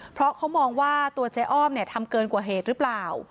เพราะเขามองว่าตัวเจ๊อ้อมเนี่ยทำเกินกว่าเหตุหรือเปล่า